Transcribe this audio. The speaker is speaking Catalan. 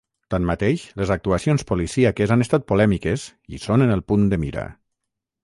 Tanmateix, les actuacions policíaques han estat polèmiques i són en el punt de mira.